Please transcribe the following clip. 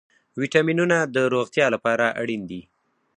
ویټامینونه د روغتیا لپاره اړین دي